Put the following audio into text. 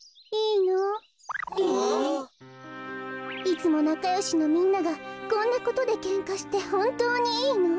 いつもなかよしのみんながこんなことでけんかしてほんとうにいいの？